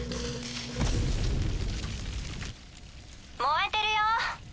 燃えてるよ。